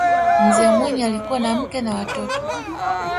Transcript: mzee mwinyi alikuwa na mke na watoto